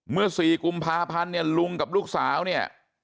เมื่อสี่กุมภาพันธุ์เนี่ยลุงกับลูกสาวเนี่ย